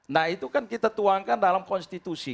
nah itu kan kita tuangkan dalam konstitusi